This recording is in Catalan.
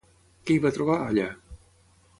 Què hi va trobar, allà?